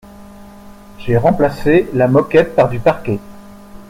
J'ai remplacé la moquette par du parquet.